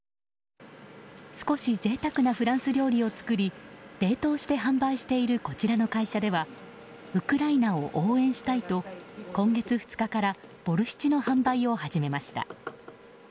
少し贅沢なフランス料理を作り冷凍して販売しているこちらの会社ではウクライナを応援したいと今月２日からボルシチの販売を始めました。